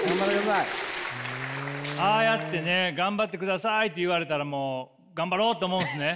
ああやってね「頑張ってください」って言われたらもう頑張ろうって思うんすね？